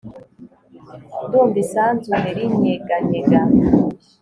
ndumva isanzure rinyeganyega